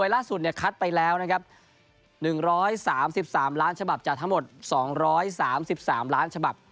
ล่าสุดคัดไปแล้วนะครับ๑๓๓ล้านฉบับจากทั้งหมด๒๓๓ล้านฉบับ